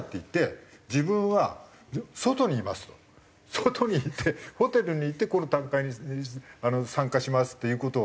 外にいてホテルにいてこの大会に参加しますっていう事を。